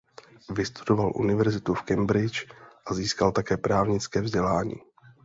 Vystudoval univerzitu v Cambridgi a získal také právnické vzdělání.